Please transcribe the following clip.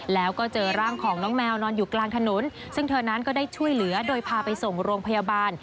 แล้วก็เจอร่างของน้องแมวนอนอยู่กลางถนนซึ่งเธอนั้นก็ได้ช่วยเหลือโดยพาไปส่งโรงพยาบาล